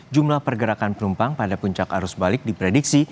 jumlah pergerakan penumpang pada puncak arus balik diprediksi